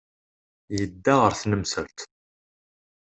Yedda ɣer tnemselt.